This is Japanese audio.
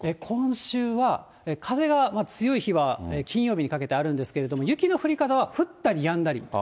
今週は、風が強い日は金曜日にかけてあるんですけれども、雪の降り方は、降ったりやんだり。